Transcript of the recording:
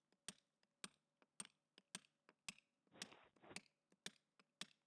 康氏宗祠的历史年代为清代。